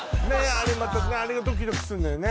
あれまたあれがドキドキすんのよね